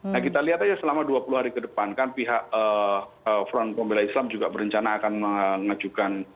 nah kita lihat aja selama dua puluh hari ke depan kan pihak front pembela islam juga berencana akan mengajukan